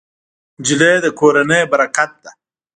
نجلۍ د کورنۍ برکت ده.